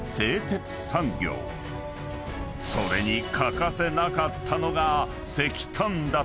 ［それに欠かせなかったのが］